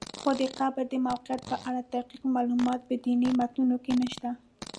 خو د قبر د موقعیت په اړه دقیق معلومات په دیني متونو کې نشته.